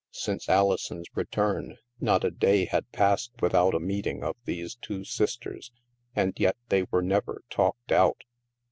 Since Alison's return, not a day had passed without a meeting of these two sisters, and yet they were never " talked out."